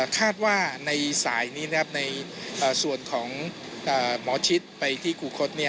คาดว่าในสายนี้ในส่วนของหมอชิดไปที่ครูคต